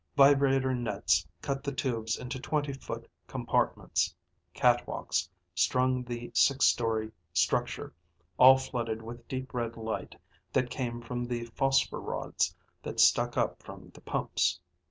Vibrator nets cut the tubes into twenty foot compartments. Catwalks strung the six story structure, all flooded with deep red light that came from the phosphor rods that stuck up from the pumps.